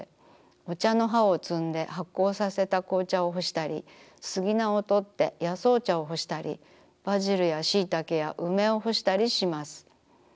お茶の葉を摘んで発酵させた紅茶を干したりスギナをとって野草茶を干したりバジルや椎茸や梅を干したりします。